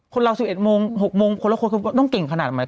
คนเราสิบเอ็ดโมงหกโมงคนละคนคือต้องเก่งขนาดไหม